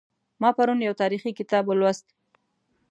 ما پرون یو تاریخي کتاب ولوست